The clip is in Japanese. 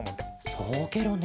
そうケロね。